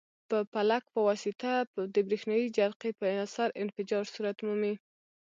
په پلک په واسطه د برېښنا جرقې په اثر انفجار صورت مومي.